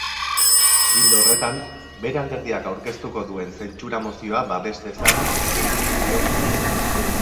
Ildo horretan, bere alderdiak aurkeztuko duen zentsura-mozioa babes dezala exijitu dio.